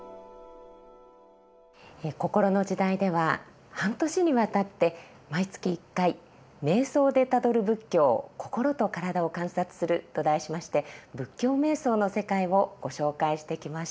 「こころの時代」では半年にわたって毎月１回「瞑想でたどる仏教心と身体を観察する」と題しまして仏教瞑想の世界をご紹介してきました。